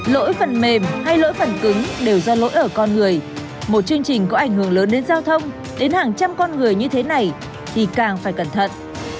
lỗi phần mềm hay lỗi phần cứng đều do lỗi ở con người một chương trình có ảnh hưởng lớn đến giao thông đến hàng trăm con người như thế này thì càng phải cẩn thận